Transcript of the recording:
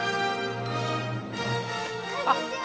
こんにちは！